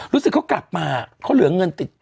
รู้สึกเขากลับมาเขาเหลือเงินติด